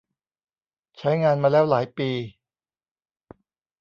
ใช้งานมาแล้วหลายปี